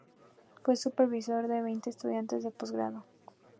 Fue supervisor de veinte estudiantes de postgrado.